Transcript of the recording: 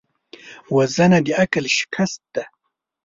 وژنه د عقل شکست دی